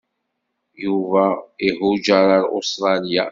Yuba ihujeṛ ar Ustṛalya.